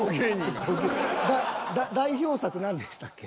代表作何でしたっけ？